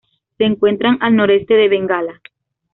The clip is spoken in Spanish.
Se encuentra al noreste de Bengala.